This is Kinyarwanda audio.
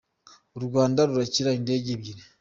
Urwanda rurakira indege ebyiri